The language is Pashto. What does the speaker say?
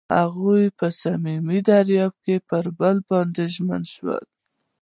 هغوی په صمیمي دریاب کې پر بل باندې ژمن شول.